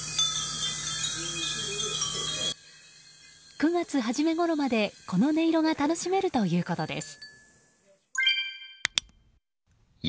９月初めごろまで、この音色が楽しめるということです。